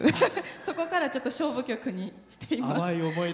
そこから勝負曲にしています。